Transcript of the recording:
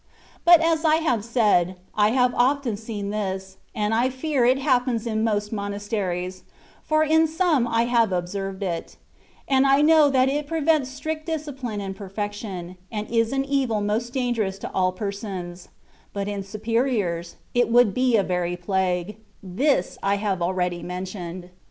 But, as I have said, I have often seen this, and I fear it happens in most monasteries, for in some I have observed it ; and I know that it prevents strict discipline and perfection, and is an evil most dan gerous in all persons : but in superiors it would be a very plague — this I have already mentioned.